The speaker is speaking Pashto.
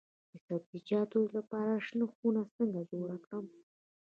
د سبزیجاتو لپاره شنه خونه څنګه جوړه کړم؟